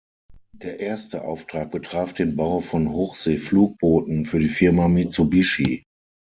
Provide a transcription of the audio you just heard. Der erste Auftrag betraf den Bau von Hochsee-Flugbooten für die Firma Mitsubishi.